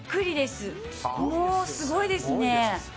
すごいですね。